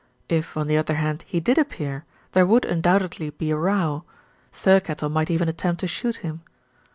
If, on the other hand, he did appear, there would undoubtedly be a row, Thirkettle might even attempt to shoot him.